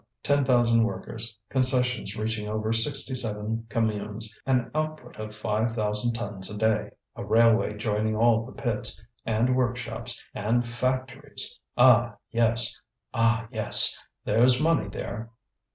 Ten thousand workers, concessions reaching over sixty seven communes, an output of five thousand tons a day, a railway joining all the pits, and workshops, and factories! Ah, yes! ah, yes! there's money there!"